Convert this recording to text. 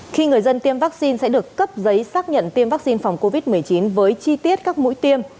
khi người dân tiêm vaccine sẽ được cấp giấy xác nhận tiêm vaccine phòng covid một mươi chín với chi tiết các mũi tiêm